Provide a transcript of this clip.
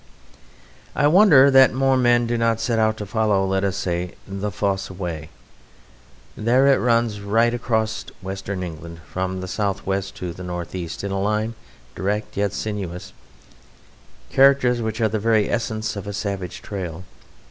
I wonder that more men do not set out to follow, let us say, the Fosse Way. There it runs right across Western England from the south west to the north east in a line direct yet sinuous, characters which are the very essence of a savage trail.